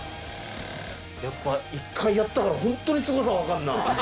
やっぱ１回やったからホントにすごさ分かんな。